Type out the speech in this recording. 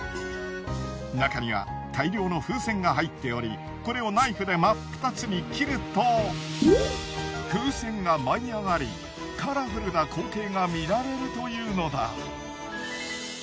なかには大量の風船が入っておりこれをナイフで真っ二つに切ると風船が舞い上がりカラフルな光景が見られるというのだ。